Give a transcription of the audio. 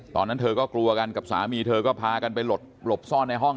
ตอนนั้นเธอก็กลัวกันกับสามีเธอก็พากันไปหลบซ่อนในห้อง